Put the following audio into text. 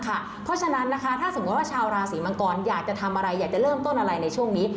เพราะฉะนั้นนะคะถ้าสมมุติว่าชาวราศีมังกรอยากจะทำอะไรอยากจะเริ่มต้นอะไรในช่วงนี้